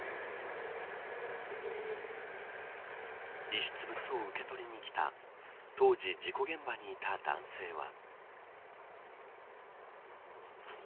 遺失物を受け取りに来た当時、事故現場にいた男性は。